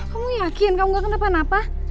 kamu yakin kamu gak kena apa apa